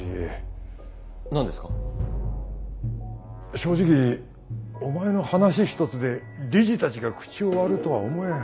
正直お前の話一つで理事たちが口を割るとは思えん。